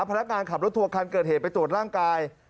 พนักงานขับรถทัวร์คันเกิดเหตุไปตรวจร่างกาย